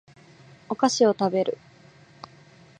お菓子を食べる